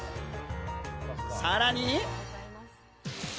さらに。